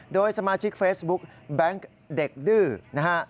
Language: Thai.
โดยสมาชิกเฟซบุ๊กแบงค์เด็กดื้อนะฮะ